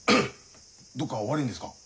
どっかお悪いんですか？